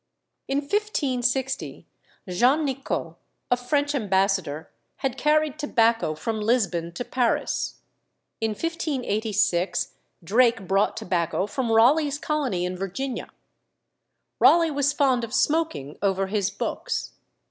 In 1560 Jean Nicot, a French ambassador, had carried tobacco from Lisbon to Paris. In 1586 Drake brought tobacco from Raleigh's colony in Virginia. Raleigh was fond of smoking over his books.